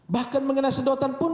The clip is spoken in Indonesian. bahkan mengenai sedotan pun